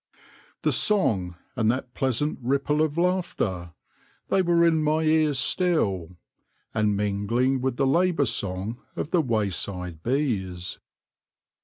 The song and that pleasant ripple of laughter — they were in my ears still, and mingling with the labour song of the wayside bees.